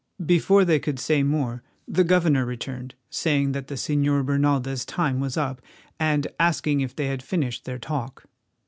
Before they could say more the governor returned, saying that the Señor Bernaldez' time was up, and asking if they had finished their talk.